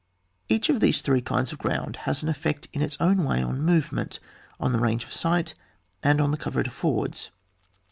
Each of these three kinds of ground has an effect in its own way on movement, on the range of sight, and in the cover it affords.